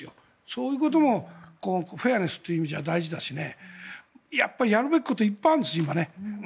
そういうこともフェアネスという意味では大事だしやっぱりやるべきことはいっぱいあるんです。